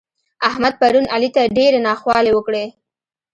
احمد پرون علي ته ډېرې ناخوالې وکړې.